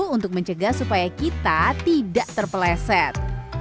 untuk mencegah supaya kita tidak terpeleset